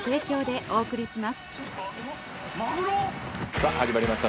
さぁ始まりました